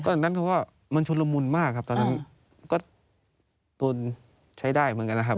ตอนนั้นเขาก็มันชุดละมุนมากครับตอนนั้นก็ตนใช้ได้เหมือนกันนะครับ